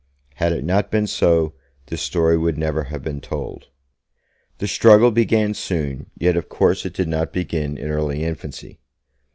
Had it not been so, this story would never have been told. The struggle began soon, yet of course it did not begin in early infancy.